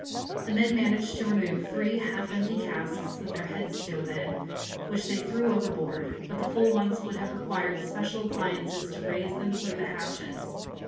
The men managed to remove three half empty casks with their heads stove in, which they threw overboard, but the full ones would have required special appliances to raise them through the hatches.